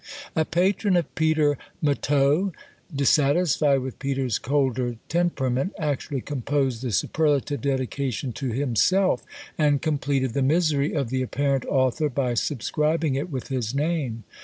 A patron of Peter Motteux, dissatisfied with Peter's colder temperament, actually composed the superlative dedication to himself, and completed the misery of the apparent author by subscribing it with his name.